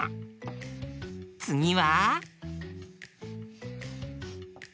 つぎは？